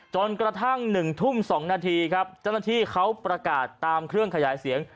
จนกระทั่ง๑ทุ่ม๒นาทีครับเจ้าหน้าที่เขาประกาศตามเครื่องขยายเสียง